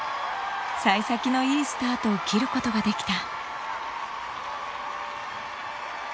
さい先のいいスタートを切ることができた。